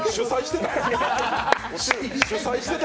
主宰してた？